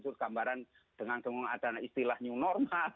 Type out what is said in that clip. jurus gambaran dengan dengan istilah new normal